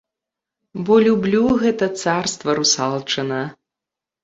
Бо люблю гэта царства русалчына!